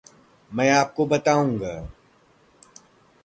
मैं आपको बताऊँगा।